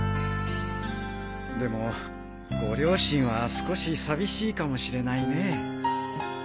でもご両親は少し寂しいかもしれないね。